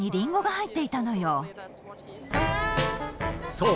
そう！